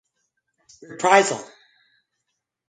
Reprisal!